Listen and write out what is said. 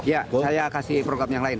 ya saya kasih program yang lain